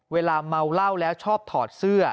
เวลาเมาเหล้าแล้วชอบถอดเสื้อ